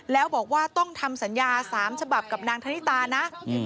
แล้วบอกว่าต้องทำสัญญา๓ฉบับกับนางธนิตานะ